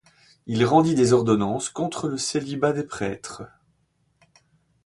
Il rendit des ordonnances contre le célibat des prêtres.